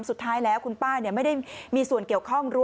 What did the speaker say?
สุดท้ายแล้วคุณป้าไม่ได้มีส่วนเกี่ยวข้องรู้